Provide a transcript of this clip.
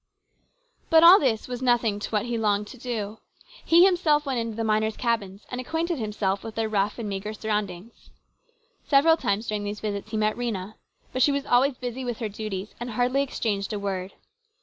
But all this was nothing to what he longed to do. He went himself into the miners' cabins and acquainted himself with all their rough and meagre surroundings. Several times during these visits he met Rhena, but she was always busy with her duties and hardly exchanged a word.